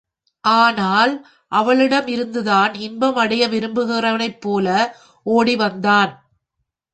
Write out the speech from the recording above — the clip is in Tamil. ஆனால் அவளிடம் இருந்து தான் இன்பம் அடைய விரும்புகிறவனைப் போல ஒடி வந்தான்.